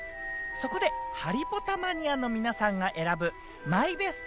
そこでハリポタマニアの皆さんが選ぶマイベスト